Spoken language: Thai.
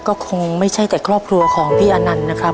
ก็คงไม่ใช่แต่ครอบครัวของพี่อนันต์นะครับ